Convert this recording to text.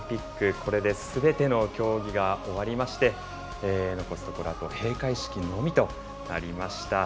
これですべての競技が終わりまして、残すところ、あと閉会式のみとなりました。